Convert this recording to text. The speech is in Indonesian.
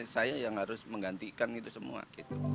saya yang harus menggantikan itu semua